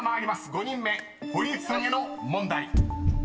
５人目堀内さんへの問題］